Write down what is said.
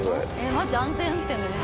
マジ安全運転でね。